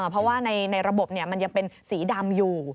เพราะว่าในระบบมันยังเป็นสีดำอยู่